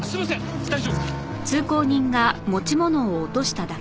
大丈夫です。